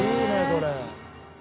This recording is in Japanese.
これ。